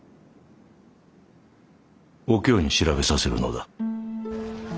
お京に調べさせるのだ。